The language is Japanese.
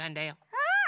うん！